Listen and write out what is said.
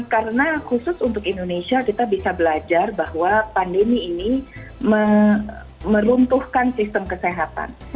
karena khusus untuk indonesia kita bisa belajar bahwa pandemi ini meruntuhkan sistem kesehatan